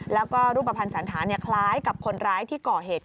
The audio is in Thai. แล้วก็รูปภัณฑ์สันธารคล้ายกับคนร้ายที่ก่อเหตุ